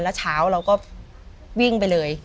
แล้วเช้าเราก็วิ่งไปเลย